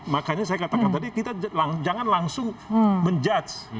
makanya saya katakan tadi kita jangan langsung menjudge